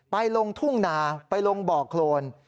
ลงทุ่งนาไปลงบ่อโครน